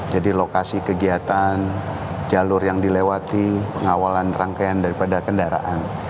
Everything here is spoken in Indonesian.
jadi lokasi kegiatan jalur yang dilewati pengawalan rangkaian daripada kendaraan